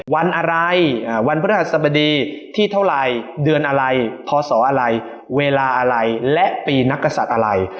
วันอะไรวันพฤหัสบดีที่เท่าไหร่เดือนอะไรพศอะไรเวลาอะไรและปีนักกษัตริย์อะไร